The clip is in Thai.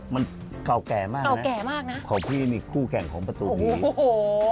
มันเก่าแก่มากเก่าแก่มากนะของพี่นี่คู่แข่งของประตูนี้โอ้โห